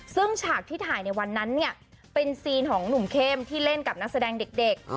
ซึ่งฉากที่ถ่ายในวันนั้นเนี่ยเป็นซีนของหนุ่มเข้มที่เล่นกับนักแสดงเด็ก